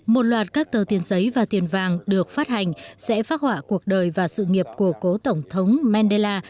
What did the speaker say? một loạt các tờ tiền giấy và tiền vàng được phát hành sẽ phát hỏa cuộc đời và sự nghiệp của cố tổng thống mandela